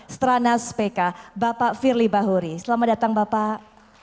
stranas pk bapak firly bahuri selamat datang bapak